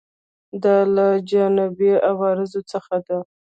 دا له جانبي عوارضو څخه ده.